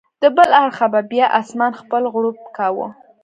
له بل اړخه به بیا اسمان خپل غړومب کاوه.